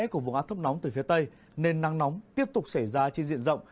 của vùng áp thấp nóng từ phía tây nên nắng nóng tiếp tục xảy ra trên diện rộng